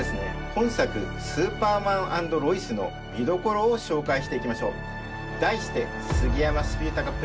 本作「スーパーマン＆ロイス」の見どころを紹介していきましょう。